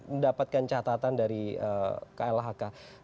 mendapatkan catatan dari klhk